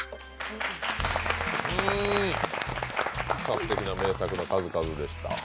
すてきな名作の数々でした。